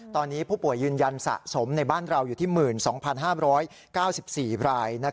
ตอนนี้ผู้ป่วยยืนยันสะสมในบ้านเราอยู่ที่๑๒๕๙๔ราย